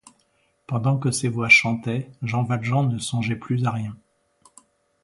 Pendant que ces voix chantaient, Jean Valjean ne songeait plus à rien.